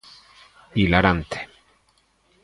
Hilarante.